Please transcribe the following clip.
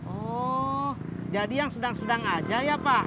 oh jadi yang sedang sedang aja ya pak